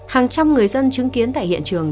hàng trăm người dân chứng kiến tại hiện trường